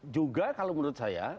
juga kalau menurut saya